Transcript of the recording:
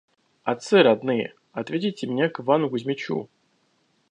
Отцы родные, отведите меня к Ивану Кузмичу».